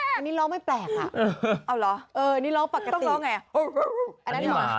อันนี้ร้องไม่แปลกหรือ